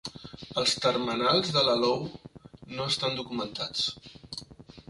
Els termenals de l'alou no estan documentats.